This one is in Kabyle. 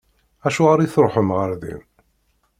Acuɣer i tṛuḥem ɣer din?